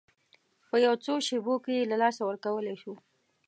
په یو څو شېبو کې یې له لاسه ورکولی شو.